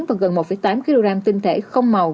và gần một tám kg tinh thể không màu